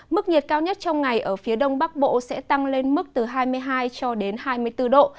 mức nhiệt cao nhất trong ngày ở phía đông bắc bộ sẽ tăng lên mức từ hai mươi hai cho đến hai mươi bốn độ